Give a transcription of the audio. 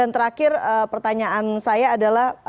terus pertanyaan saya adalah